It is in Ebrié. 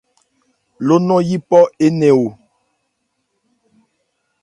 Ló nɔn yípɔ énɛn ò.